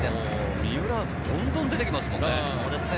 三浦、どんどん出てきますね。